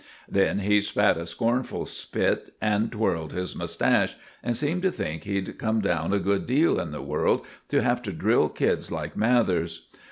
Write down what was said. Then he spat a scornful spit and twirled his moustache, and seemed to think he'd come down a good deal in the world to have to drill kids like Mathers.